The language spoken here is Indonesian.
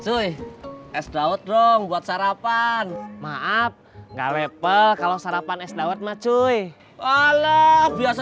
suih es dawat dong buat sarapan maaf ga lepe kalau sarapan es dawat ma cuy ala biasa